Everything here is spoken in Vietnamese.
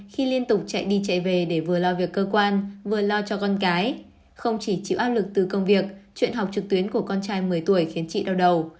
không chỉ chịu áp lực từ công việc chuyện học trực tuyến của con trai một mươi tuổi khiến chị đau đầu